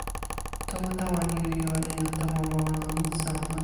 tomo tawa ni li jo e ilo tawa wawa lon insa ona.